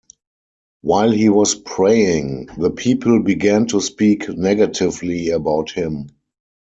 While he was praying, the people began to speak negatively about him.